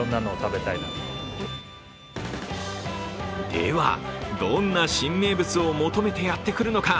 では、どんな新名物を求めてやってくるのか。